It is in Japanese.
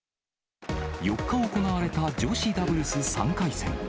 ４日行われた女子ダブルス３回戦。